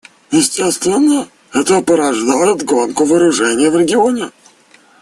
Естественно, это порождает гонку вооружений в регионе.